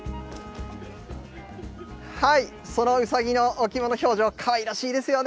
そのうさぎの置物、表情、かわいらしいですよね。